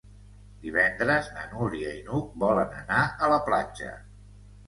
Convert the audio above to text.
Divendres na Núria i n'Hug volen anar a la platja.